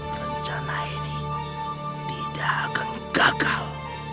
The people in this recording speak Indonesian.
rencana ini tidak akan gagal